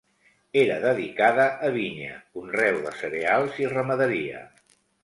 Era dedicada a vinya, conreu de cereals i ramaderia.